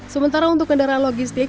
sementara untuk kendaraan logistik